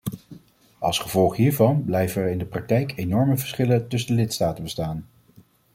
Als gevolg hiervan blijven er in de praktijk enorme verschillen tussen de lidstaten bestaan.